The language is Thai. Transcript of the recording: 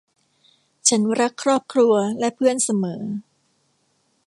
ฉันรักครอบครัวและเพื่อนเสมอ